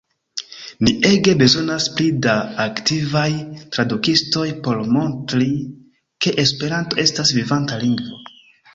Ni ege bezonas pli da aktivaj tradukistoj por montri ke Esperanto estas vivanta lingvo.